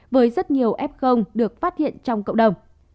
với rất nhiều f được phát hiện trong cộng đồng